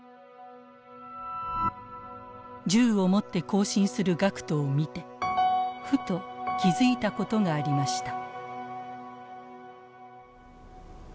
銃を持って行進する学徒を見てふと気付いたことがありました。